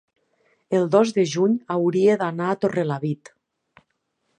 el dos de juny hauria d'anar a Torrelavit.